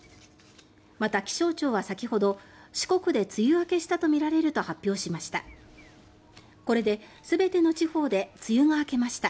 また、気象庁は先ほど四国で梅雨明けしたとみられると発表しました。